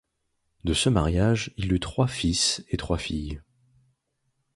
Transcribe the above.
De ce mariage il eut trois fils et trois filles.